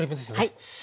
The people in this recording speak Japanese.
はい。